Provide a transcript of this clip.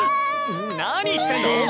な何してんだお前！